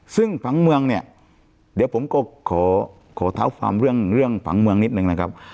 ซึ่งผังเมืองเนี่ยเดี๋ยวผมก็ขอเท้าความเรื่องผังเมืองนิดนึงนะครับ